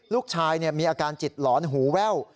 ลูกชายมีอาการจิตหลอนหูแว่ว